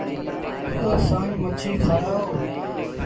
تا سائيٚݩ مڇي کآرآئو۔